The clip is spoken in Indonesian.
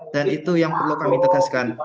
dan itu yang perlu kami tegaskan